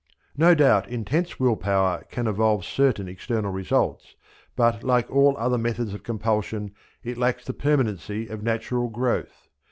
No doubt intense will power can evolve certain external results, but like all other methods of compulsion it lacks the permanency of natural growth.